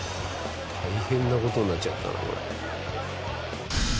大変な事になっちゃったなこれ。